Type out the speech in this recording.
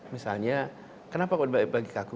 misalnya kenapa dibagi kaku